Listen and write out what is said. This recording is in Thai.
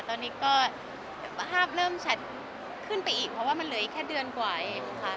ตอนนี้ก็ภาพเริ่มชัดขึ้นไปอีกเพราะว่ามันเหลืออีกแค่เดือนกว่าเองค่ะ